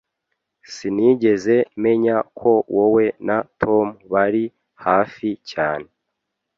Sinigeze menya ko wowe na Tom bari hafi cyane.